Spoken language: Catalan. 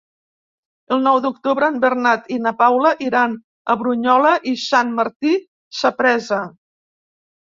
El nou d'octubre en Bernat i na Paula iran a Brunyola i Sant Martí Sapresa.